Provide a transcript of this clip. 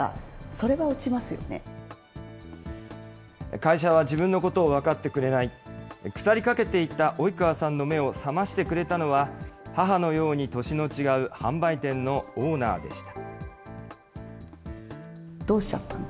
会社は自分のことを分かってくれない、腐りかけていた及川さんの目を覚ましてくれたのは、母のように年の違う販売店のオーナーでした。